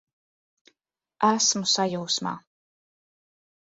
Esmu sajūsmā!